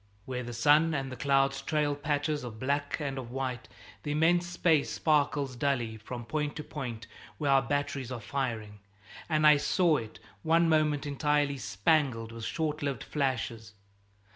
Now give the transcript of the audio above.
Where the sun and the clouds trail patches of black and of white, the immense space sparkles dully from point to point where our batteries are firing, and I saw it one moment entirely spangled with short lived flashes.